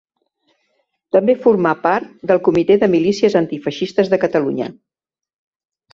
També formà part del Comitè de Milícies Antifeixistes de Catalunya.